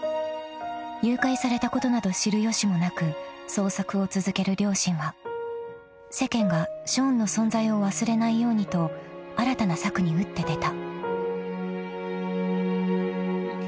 ［誘拐されたことなど知る由もなく捜索を続ける両親は世間がショーンの存在を忘れないようにと新たな策に打って出た］